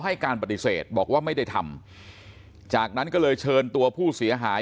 ให้การปฏิเสธบอกว่าไม่ได้ทำจากนั้นก็เลยเชิญตัวผู้เสียหาย